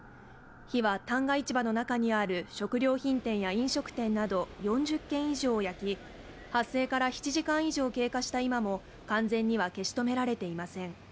火は旦過市場の中にある食料品店や飲食店など４０軒以上を焼き発生から７時間以上経過た今も完全には消し止められていません。